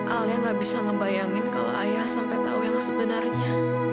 alia gak bisa ngebayangin kalau ayah sampai tahu yang sebenarnya